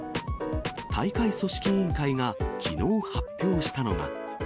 大会組織委員会がきのう発表したのが。